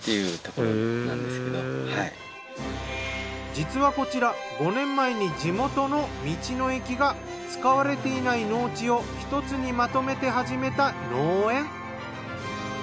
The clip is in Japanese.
実はこちら５年前に地元の道の駅が使われていない農地を１つにまとめて始めた農園。